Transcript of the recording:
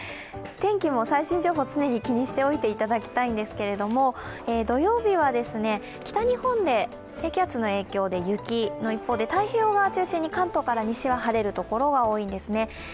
天気も最新情報、常に気にしておいていただきたいんですけれども、土曜日は北日本で低気圧の影響で雪の一方で太平洋側を中心に関東から西は晴れるところが多いんですね。